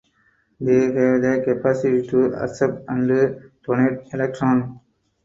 They have the capacity to accept and donate electrons.